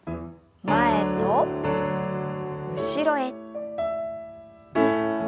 前と後ろへ。